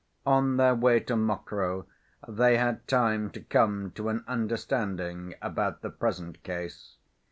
On their way to Mokroe they had time to come to an understanding about the present case.